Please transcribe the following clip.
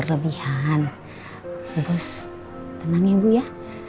berlebihan terus tenang ya bu ya